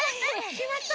きまった！